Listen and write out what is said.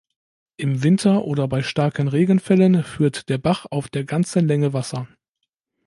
Im Winter oder bei starken Regenfällen führt der Bach auf der ganzen Länge Wasser.